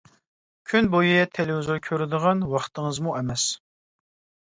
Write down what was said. كۈن بويى تېلېۋىزور كۆرىدىغان ۋاقتىڭىزمۇ ئەمەس.